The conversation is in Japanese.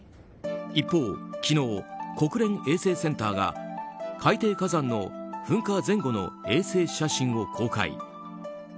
一方、昨日、国連衛星センターが海底火山の噴火前後の衛星写真を公開。